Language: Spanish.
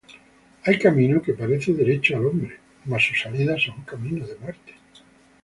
Hay camino que parece derecho al hombre, Mas su salida son caminos de muerte.